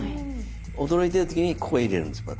驚いてる時にここに入れるんですまた。